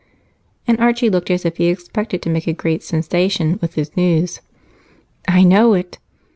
And Archie looked as if he expected to make a great sensation with his news. "I know it."